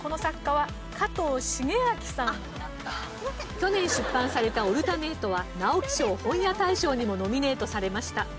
去年出版された『オルタネート』は直木賞本屋大賞にもノミネートされました。